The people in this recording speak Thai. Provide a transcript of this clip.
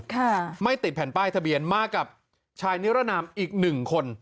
ค่ะไม่ติดแผ่นป้ายทะเบียนมากับชายนิรนามอีกหนึ่งคน